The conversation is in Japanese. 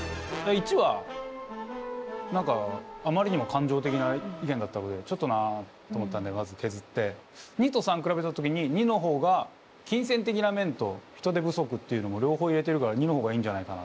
①は何かあまりにも感情的な意見だったのでちょっとなあと思ったんでまず削って②と③比べた時に②の方が金銭的な面と人手不足っていうのも両方入れてるから②の方がいいんじゃないかな。